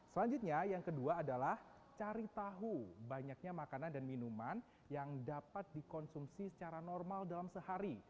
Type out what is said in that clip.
selanjutnya yang kedua adalah cari tahu banyaknya makanan dan minuman yang dapat dikonsumsi secara normal dalam sehari